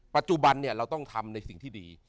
ปัจจุบันเราต้องทำในสิ่งที่ดี